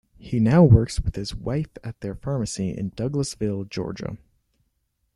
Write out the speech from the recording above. He now works with his wife at their pharmacy in Douglasville, Georgia.